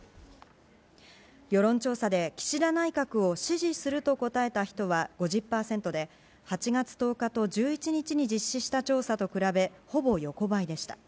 世論調査で、岸田内閣を支持すると答えた人は５０％で、８月１０日と１１日に実施した調査と比べ、ほぼ横ばいでした。